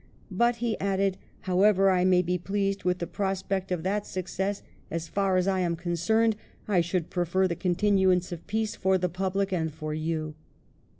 " But," he added, "however I may be pleased with the prospect of that success, as far as I am concerned I should prefer the continuance of peace for the public and for you."